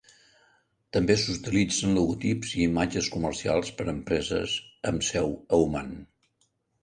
També s'utilitza en logotips i imatges comercials per empreses amb seu a Oman.